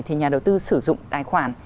thì nhà đầu tư sử dụng tài khoản